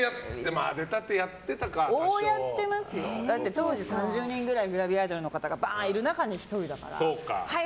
当時３０人ぐらいグラビアアイドルがバーンっている中に１人だったからはい！